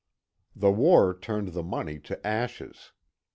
The war turned the money to ashes.